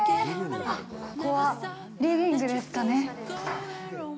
あっ、ここはリビングですかね。